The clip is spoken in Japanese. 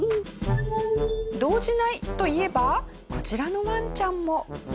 動じないといえばこちらのワンちゃんも。